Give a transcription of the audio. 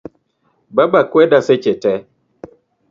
Baba kweda seche tee